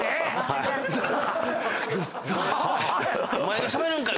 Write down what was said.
お前がしゃべるんかい！